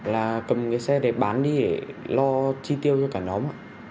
là cầm cái xe để bán đi để lo chi tiêu cho cả nhóm mà